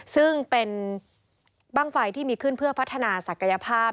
ซึ่งเป็นบ้างไฟที่มีขึ้นเพื่อพัฒนาศักยภาพ